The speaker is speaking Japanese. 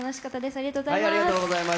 ありがとうございます。